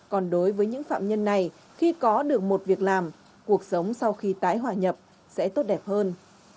còn đối với những phạm nhân này khi có được một việc làm cuộc sống sau khi tái hòa nhập sẽ tốt đẹp hơn